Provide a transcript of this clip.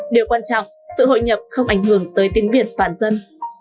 điều quan trọng sự hội nhập không ảnh hưởng tới tiếng việt toàn dân